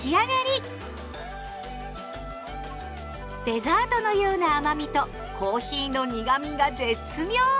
デザートのような甘みとコーヒーの苦みが絶妙！